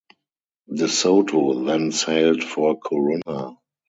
De Soto then sailed for Corunna.